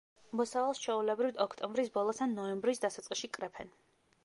მოსავალს ჩვეულებრივ ოქტომბრის ბოლოს ან ნოემბრის დასაწყისში კრეფენ.